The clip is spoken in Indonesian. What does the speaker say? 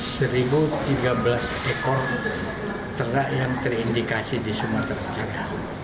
seribu tiga belas ekor ternak yang terindikasi di sumatera utara